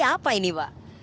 jadi apa ini pak